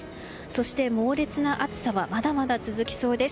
そして、猛烈な暑さはまだまだ続きそうです。